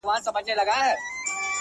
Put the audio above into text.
سوچه کاپیر وم چي راتلم تر میخانې پوري _